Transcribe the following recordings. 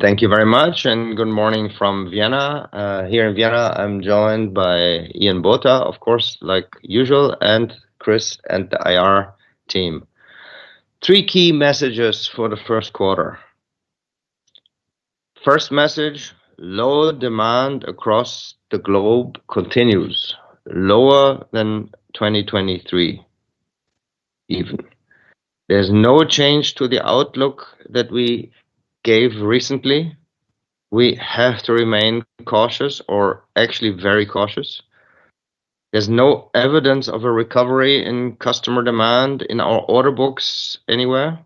Thank you very much, and good morning from Vienna. Here in Vienna, I'm joined by Ian Botha, of course, like usual, and Chris, and the IR team. Three key messages for the first quarter. First message: lower demand across the globe continues, lower than 2023 even. There's no change to the outlook that we gave recently. We have to remain cautious or actually very cautious. There's no evidence of a recovery in customer demand in our order books anywhere.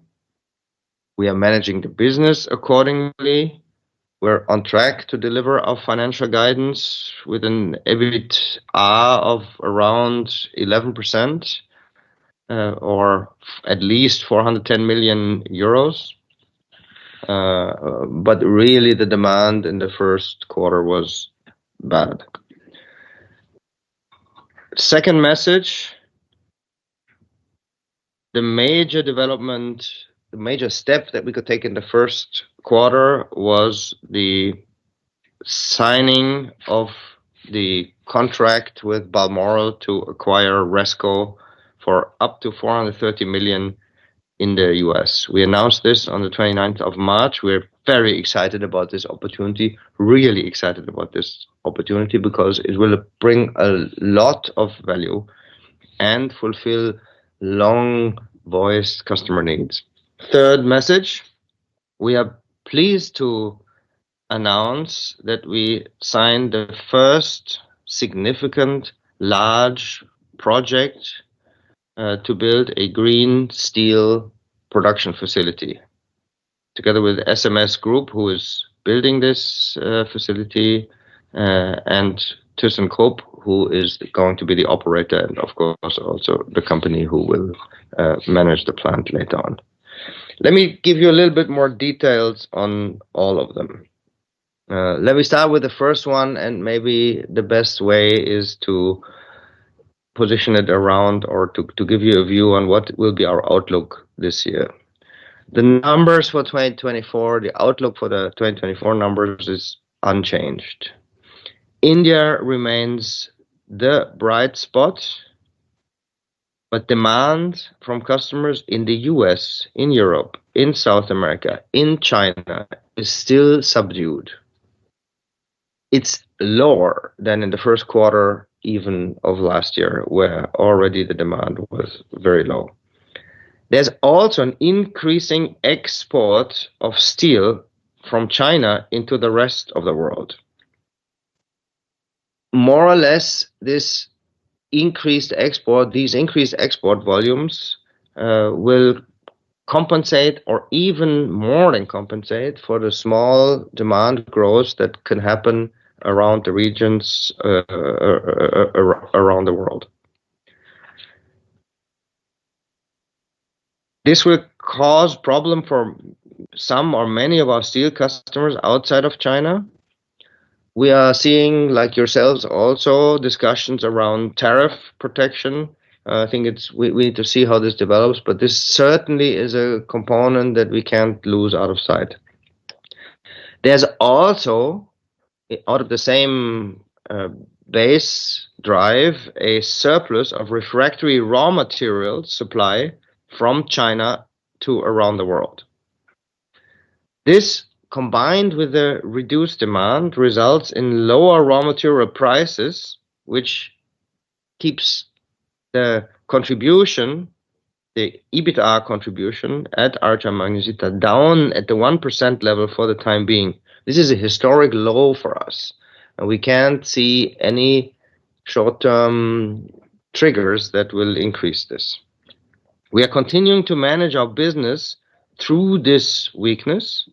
We are managing the business accordingly. We're on track to deliver our financial guidance with an EBITA of around 11%, or at least 410 million euros. But really, the demand in the first quarter was bad. Second message: the major development, the major step that we could take in the first quarter was the signing of the contract with Balmoral to acquire Resco for up to $430 million in the U.S.. We announced this on the 29th of March. We're very excited about this opportunity. Really excited about this opportunity, because it will bring a lot of value and fulfill long-voiced customer needs. Third message: we are pleased to announce that we signed the first significant large project to build a green steel production facility, together with SMS group, who is building this facility, and Thyssenkrupp, who is going to be the operator and, of course, also the company who will manage the plant later on. Let me give you a little bit more details on all of them. Let me start with the first one, and maybe the best way is to position it around or to give you a view on what will be our outlook this year. The numbers for 2024, the outlook for the 2024 numbers is unchanged. India remains the bright spot, but demand from customers in the U.S., in Europe, in South America, in China, is still subdued. It's lower than in the first quarter, even of last year, where already the demand was very low. There's also an increasing export of steel from China into the rest of the world. More or less, this increased export, these increased export volumes, will compensate or even more than compensate for the small demand growth that can happen around the regions around the world. This will cause problem for some or many of our steel customers outside of China. We are seeing, like yourselves, also, discussions around tariff protection. I think it's we need to see how this develops, but this certainly is a component that we can't lose out of sight. There's also, out of the same, base drive, a surplus of refractory raw material supply from China to around the world. This, combined with the reduced demand, results in lower raw material prices, which keeps the contribution, the EBITA contribution at RHI Magnesita down at the 1% level for the time being. This is a historic low for us, and we can't see any short-term triggers that will increase this. We are continuing to manage our business through this weakness,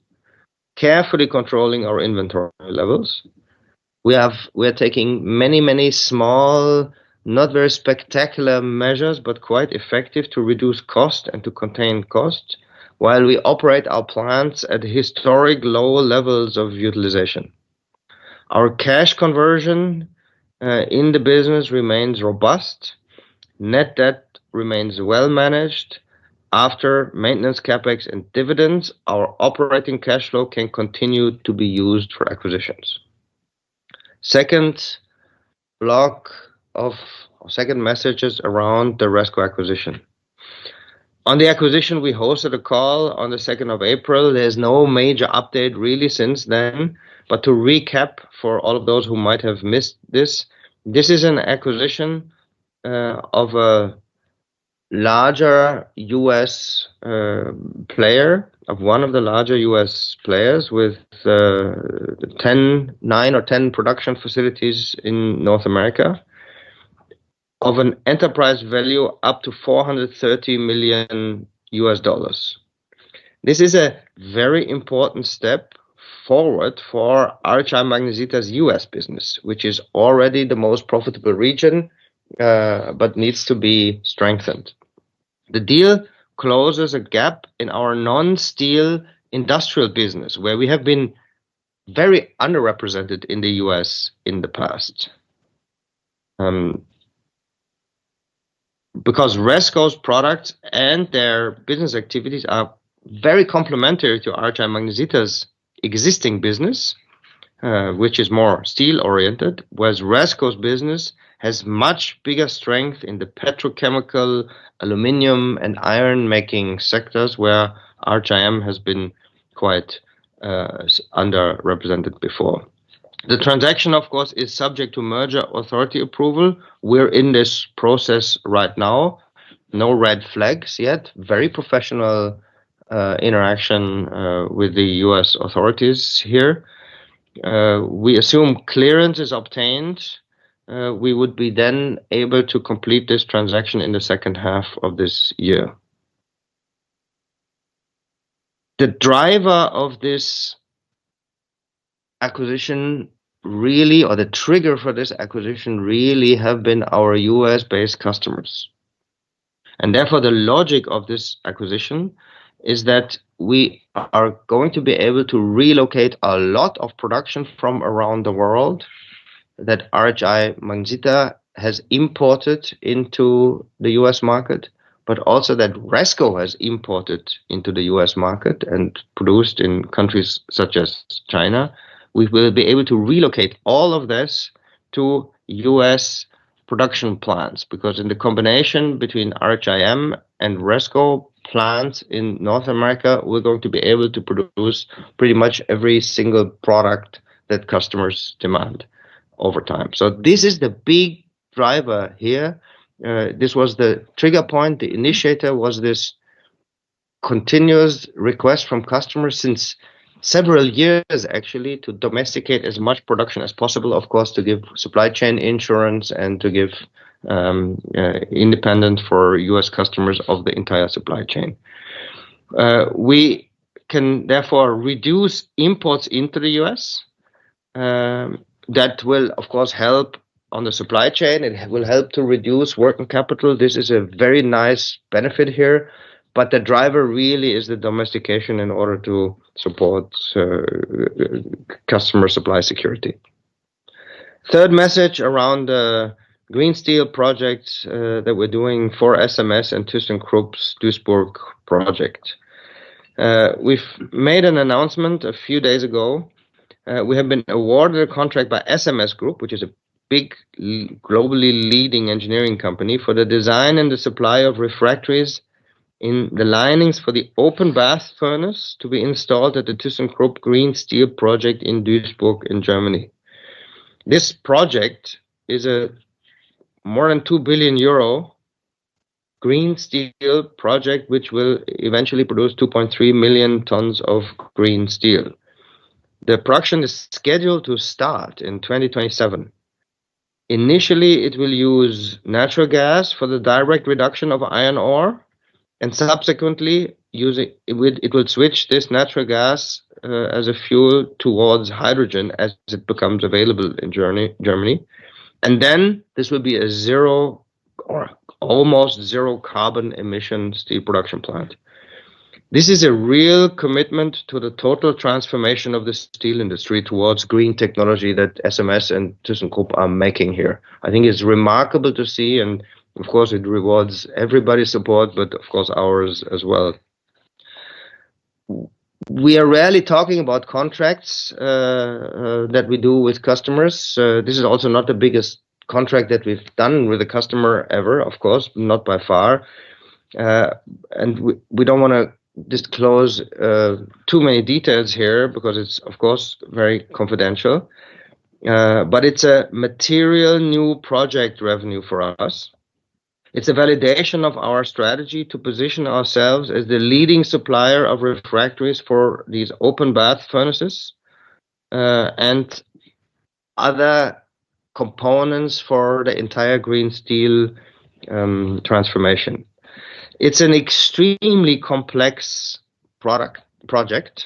carefully controlling our inventory levels. We are taking many, many small, not very spectacular measures, but quite effective to reduce cost and to contain costs, while we operate our plants at historic low levels of utilization. Our cash conversion in the business remains robust. Net debt remains well managed. After maintenance, CapEx, and dividends, our operating cash flow can continue to be used for acquisitions. Second message is around the Resco acquisition. On the acquisition, we hosted a call on the second of April. There's no major update really since then, but to recap, for all of those who might have missed this, this is an acquisition of a larger U.S. player, of one of the larger U.S. players with 10, nine or 10 production facilities in North America, of an enterprise value up to $430 million. This is a very important step forward for RHI Magnesita's U.S. business, which is already the most profitable region, but needs to be strengthened. The deal closes a gap in our non-steel industrial business, where we have been very underrepresented in the U.S. in the past. Because Resco's products and their business activities are very complementary to RHI Magnesita's existing business, which is more steel-oriented, whereas Resco's business has much bigger strength in the petrochemical, aluminum, and iron-making sectors, where RHIM has been quite underrepresented before. The transaction, of course, is subject to merger authority approval. We're in this process right now. No red flags yet. Very professional interaction with the U.S. authorities here. We assume clearance is obtained, we would be then able to complete this transaction in the second half of this year. The driver of this acquisition really, or the trigger for this acquisition, really have been our U.S.-based customers, and therefore, the logic of this acquisition is that we are going to be able to relocate a lot of production from around the world that RHI Magnesita has imported into the U.S. market, but also that Resco has imported into the U.S. market and produced in countries such as China. We will be able to relocate all of this to U.S. production plants, because in the combination between RHIM and Resco plants in North America, we're going to be able to produce pretty much every single product that customers demand over time. So this is the big driver here. This was the trigger point. The initiator was this continuous request from customers since several years, actually, to domesticate as much production as possible, of course, to give supply chain insurance and to give independence for U.S. customers of the entire supply chain. We can therefore reduce imports into the U.S.. That will, of course, help on the supply chain and will help to reduce working capital. This is a very nice benefit here, but the driver really is the domestication in order to support customer supply security. Third message around the green steel projects that we're doing for SMS and Thyssenkrupp's Duisburg project. We've made an announcement a few days ago. We have been awarded a contract by SMS group, which is a big, globally leading engineering company, for the design and the supply of refractories in the linings for the Open Bath Furnace to be installed at the Thyssenkrupp green steel project in Duisburg, in Germany. This project is a more than 2 billion euro green steel project, which will eventually produce 2.3 million tons of green steel. The production is scheduled to start in 2027. Initially, it will use natural gas for the direct reduction of iron ore, and subsequently, it would switch this natural gas as a fuel towards hydrogen as it becomes available in Germany, and then this will be a zero, or almost zero carbon emission steel production plant. This is a real commitment to the total transformation of the steel industry towards green technology that SMS and Thyssenkrupp are making here. I think it's remarkable to see, and of course, it rewards everybody's support, but of course, ours as well. We are rarely talking about contracts that we do with customers. This is also not the biggest contract that we've done with a customer ever, of course, not by far. And we don't wanna disclose too many details here because it's, of course, very confidential. But it's a material new project revenue for us. It's a validation of our strategy to position ourselves as the leading supplier of refractories for these Open Bath Furnaces and other components for the entire green steel transformation. It's an extremely complex product, project.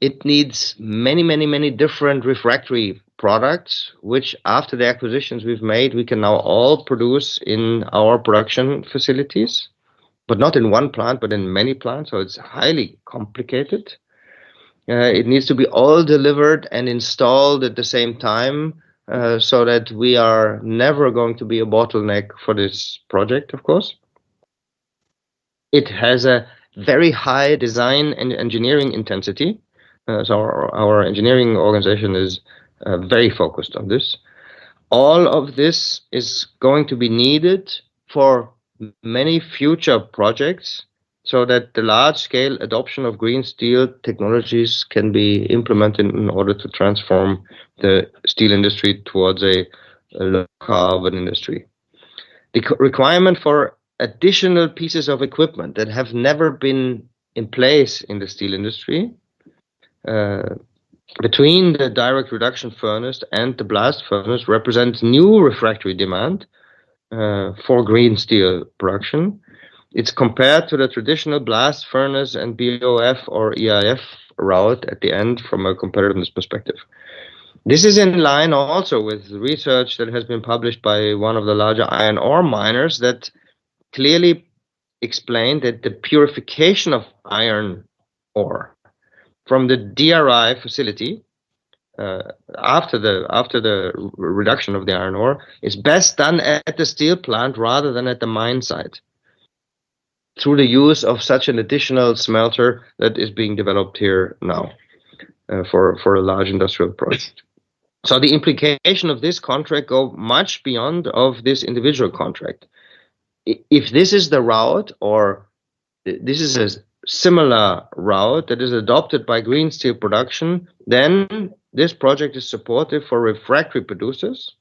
It needs many, many, many different refractory products, which, after the acquisitions we've made, we can now all produce in our production facilities, but not in one plant, but in many plants, so it's highly complicated. It needs to be all delivered and installed at the same time, so that we are never going to be a bottleneck for this project, of course. It has a very high design and engineering intensity, so our engineering organization is very focused on this. All of this is going to be needed for many future projects, so that the large-scale adoption of green steel technologies can be implemented in order to transform the steel industry towards a low-carbon industry. The requirement for additional pieces of equipment that have never been in place in the steel industry, between the Direct Reduction Furnace and the Blast Furnace, represents new refractory demand for green steel production. It's compared to the traditional Blast Furnace and BOF or EAF route at the end from a competitiveness perspective. This is in line also with research that has been published by one of the larger iron ore miners, that clearly explained that the purification of iron ore from the DRI facility, after the reduction of the iron ore, is best done at the steel plant rather than at the mine site, through the use of such an additional smelter that is being developed here now, for a large industrial project. So the implication of this contract go much beyond of this individual contract. If this is the route or this is a similar route that is adopted by green steel production, then this project is supportive for refractory producers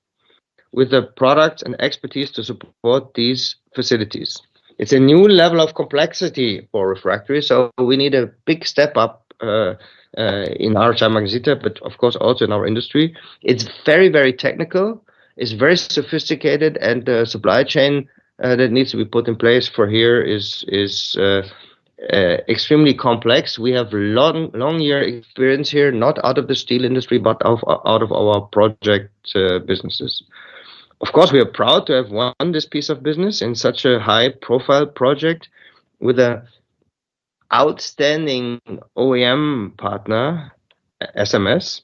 with the products and expertise to support these facilities. It's a new level of complexity for refractory, so we need a big step up in RHI Magnesita, but of course, also in our industry. It's very, very technical, it's very sophisticated, and the supply chain that needs to be put in place here is extremely complex. We have long year experience here, not out of the steel industry, but out of our project businesses. Of course, we are proud to have won this piece of business in such a high-profile project, with an outstanding OEM partner, SMS,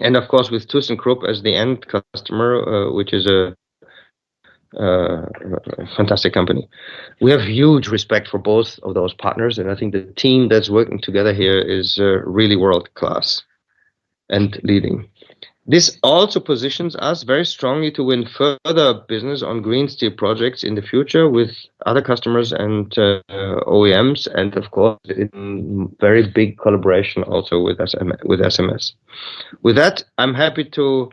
and of course, with Thyssenkrupp as the end customer, which is a fantastic company. We have huge respect for both of those partners, and I think the team that's working together here is really world-class and leading. This also positions us very strongly to win further business on green steel projects in the future with other customers and OEMs, and of course, very big collaboration also with SMS. With that, I'm happy to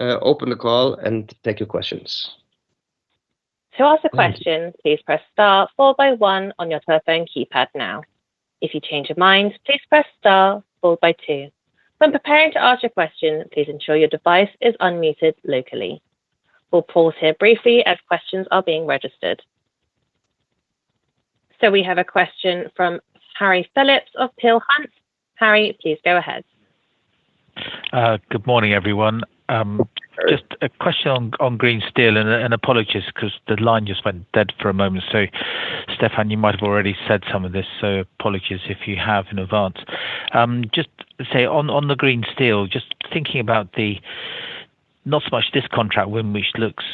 open the call and take your questions. To ask a question, please press star followed by one on your telephone keypad now. If you change your mind, please press star followed by two. When preparing to ask your question, please ensure your device is unmuted locally. We'll pause here briefly as questions are being registered. We have a question from Harry Philips of Peel Hunt. Harry, please go ahead. Good morning, everyone. Hi... just a question on green steel and apologies, 'cause the line just went dead for a moment. So Stefan, you might have already said some of this, so apologies if you have in advance. Just say on the green steel, just thinking about the not so much this contract win, which looks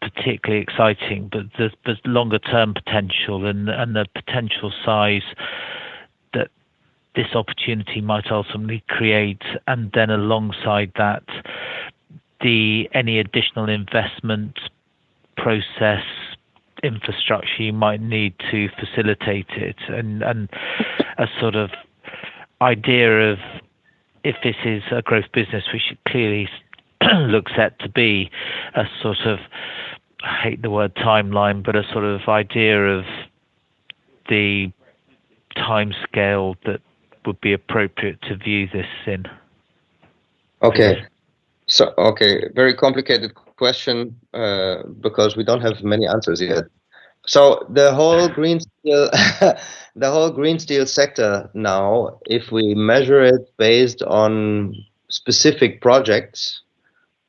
particularly exciting, but the longer term potential and the potential size that this opportunity might ultimately create. And then alongside that, any additional investment process, infrastructure you might need to facilitate it, and a sort of idea of if this is a growth business, which it clearly looks set to be a sort of, I hate the word timeline, but a sort of idea of the timescale that would be appropriate to view this in? Okay. So, okay, very complicated question, because we don't have many answers yet. So the whole green steel, the whole green steel sector now, if we measure it based on specific projects,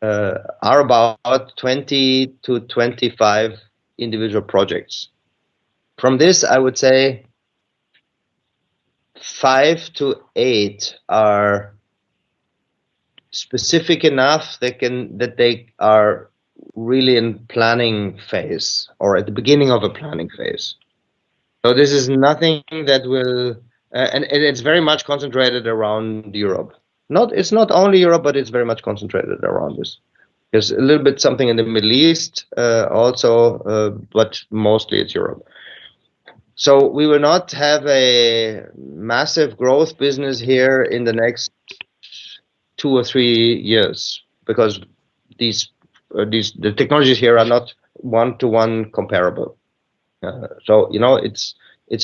are about 20-25 individual projects. From this, I would say five to eight are specific enough that they are really in planning phase or at the beginning of a planning phase. So this is nothing that will- and, and it's very much concentrated around Europe. Not- It's not only Europe, but it's very much concentrated around this. There's a little bit something in the Middle East, also, but mostly it's Europe. So we will not have a massive growth business here in the next two or three years because these, the technologies here are not one-to-one comparable. So, you know, it's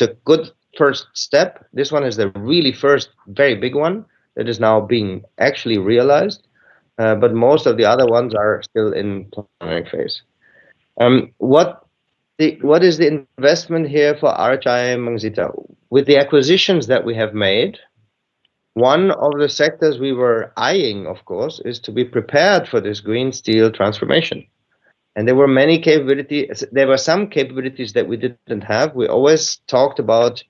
a good first step. This one is the really first, very big one that is now being actually realized, but most of the other ones are still in planning phase. What is the investment here for RHI Magnesita? With the acquisitions that we have made, one of the sectors we were eyeing, of course, is to be prepared for this green steel transformation, and there were many capabilities. There were some capabilities that we didn't have. We always talked about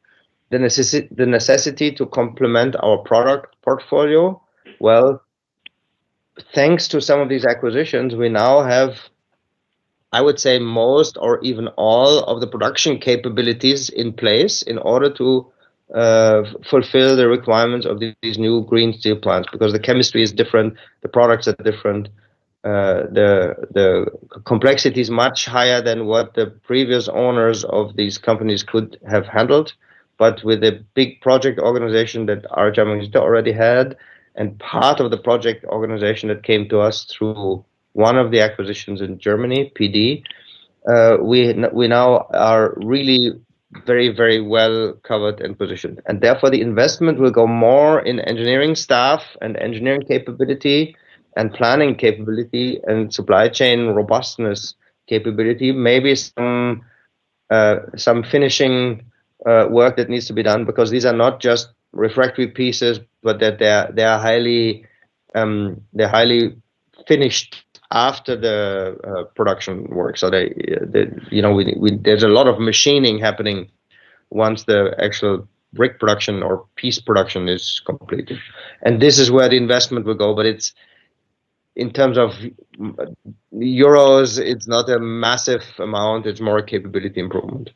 the necessity to complement our product portfolio. Well, thanks to some of these acquisitions, we now have, I would say, most or even all of the production capabilities in place in order to fulfill the requirements of these new green steel plants. Because the chemistry is different, the products are different, the complexity is much higher than what the previous owners of these companies could have handled. But with the big project organization that RHI Magnesita already had, and part of the project organization that came to us through one of the acquisitions in Germany, P-D, we now are really very, very well covered and positioned. And therefore, the investment will go more in engineering staff and engineering capability and planning capability and supply chain robustness capability. Maybe some finishing work that needs to be done, because these are not just refractory pieces, but that they are, they are highly finished after the production work. So you know, there's a lot of machining happening once the actual brick production or piece production is completed. And this is where the investment will go, but it's, in terms of European dollars, it's not a massive amount, it's more a capability improvement.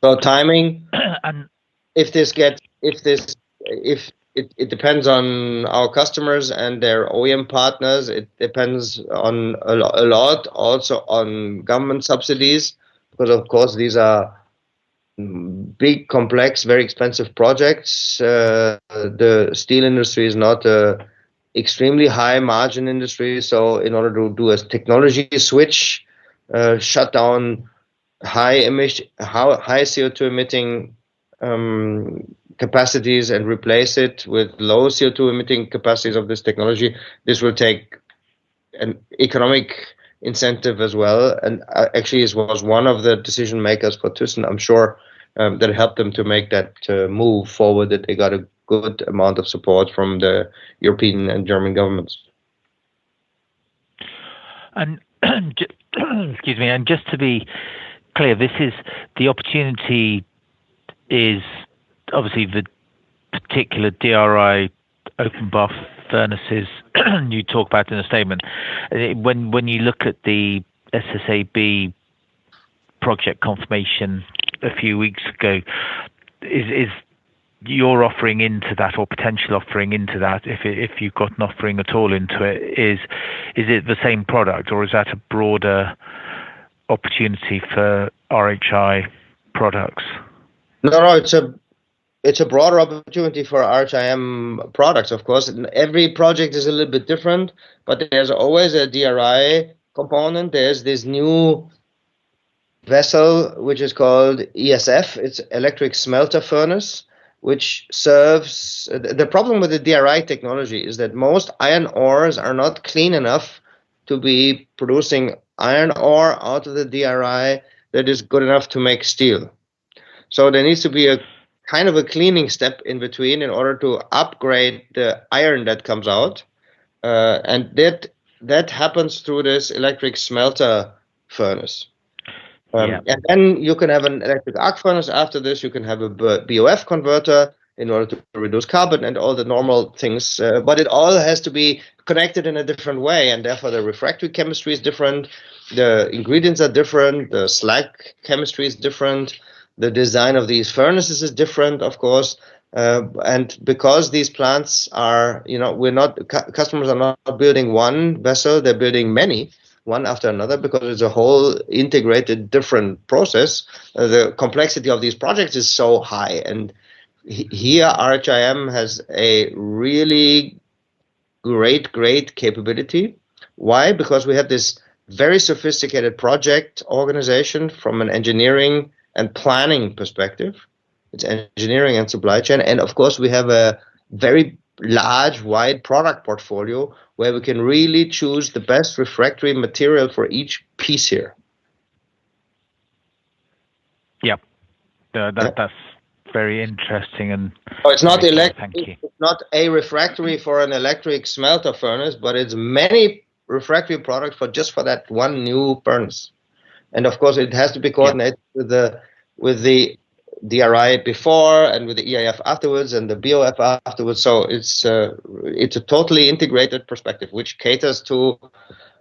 But timing, it depends on our customers and their OEM partners. It depends on a lot, also on government subsidies, but of course, these are massive, big, complex, very expensive projects. The steel industry is not an extremely high margin industry, so in order to do a technology switch, shut down high, high CO2 emitting capacities and replace it with low CO2 emitting capacities of this technology, this will take an economic incentive as well. Actually, it was one of the decision-makers for Thyssenkrupp, I'm sure, that helped them to make that move forward, that they got a good amount of support from the European and German governments. Excuse me. Just to be clear, this opportunity is obviously the particular DRI Open Bath Furnaces you talk about in the statement. When you look at the SSAB project confirmation a few weeks ago, is your offering into that or potential offering into that, if you've got an offering at all into it, is it the same product or is that a broader opportunity for RHI products? No, no, it's a, it's a broader opportunity for RHIM products, of course, and every project is a little bit different, but there's always a DRI component. There's this new vessel, which is called ESF. It's Electric Smelter Furnace, which serves... The problem with the DRI technology is that most iron ores are not clean enough to be producing iron ore out of the DRI that is good enough to make steel. So there needs to be a kind of a cleaning step in between, in order to upgrade the iron that comes out, and that, that happens through this Electric Smelter Furnace. Yeah. And then you can have an Electric Arc Furnace after this, you can have a BOF converter in order to reduce carbon and all the normal things, but it all has to be connected in a different way, and therefore, the refractory chemistry is different, the ingredients are different, the slag chemistry is different, the design of these furnaces is different, of course. And because these plants are, you know, customers are not building one vessel, they're building many, one after another, because it's a whole integrated different process. The complexity of these projects is so high, and here, RHIM has a really great, great capability. Why? Because we have this very sophisticated project organization from an engineering and planning perspective. It's engineering and supply chain, and of course, we have a very large, wide product portfolio, where we can really choose the best refractory material for each piece here. Yeah. Yeah, that, that's very interesting and- Oh, it's not elect- Thank you. It's not a refractory for an Electric Smelter Furnace, but it's many refractory products for just for that one new furnace. And of course, it has to be- Yeah... coordinated with the, with the DRI before, and with the EAF afterwards, and the BOF afterwards. So it's a, it's a totally integrated perspective, which caters to,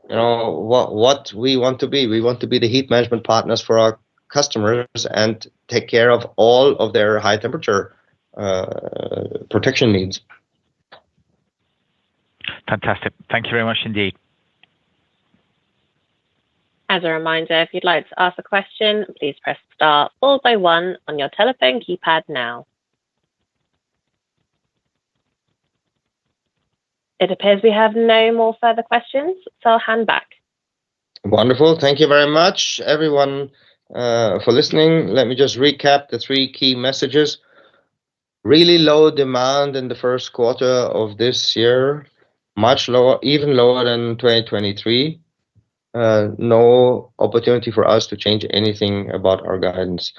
you know, what, what we want to be. We want to be the heat management partners for our customers and take care of all of their high temperature, protection needs. Fantastic. Thank you very much indeed. As a reminder, if you'd like to ask a question, please press star followed by one on your telephone keypad now. It appears we have no more further questions, so I'll hand back. Wonderful. Thank you very much, everyone, for listening. Let me just recap the three key messages. Really low demand in the first quarter of this year, much lower, even lower than 2023. No opportunity for us to change anything about our guidance.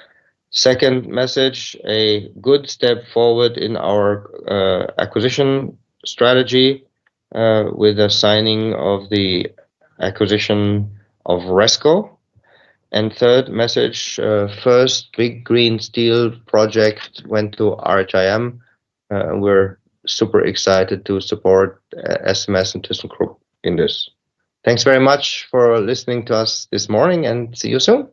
Second message, a good step forward in our acquisition strategy, with the signing of the acquisition of Resco. And third message, first big green steel project went to RHIM, we're super excited to support SMS and Thyssenkrupp in this. Thanks very much for listening to us this morning and see you soon.